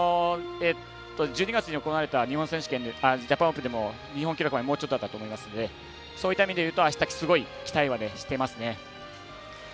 １２月に行われたジャパンオープンでも日本記録までもうちょっとだったと思いますのでそういった意味で言うとあした、すごい期待はしてますね。